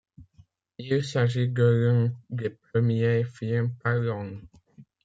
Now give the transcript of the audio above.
Il s'agit de l'un des premiers films parlants.